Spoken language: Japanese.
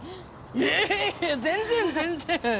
いやいや全然全然！